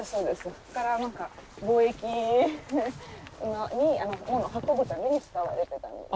ここから貿易にものを運ぶために使われてた道で。